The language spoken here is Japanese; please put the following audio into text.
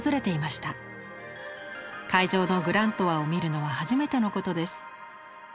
会場のグラントワを見るのは初めてのことです。